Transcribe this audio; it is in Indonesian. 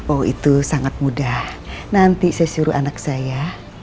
oh itu sangat mudah nanti saya suruh anak saya